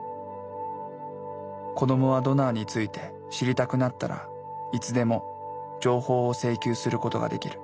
子どもはドナーについて知りたくなったらいつでも情報を請求することができる。